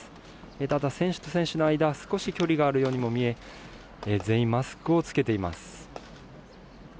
ただ選手と選手の間少し距離があるようにも見え全員マスクを着けています。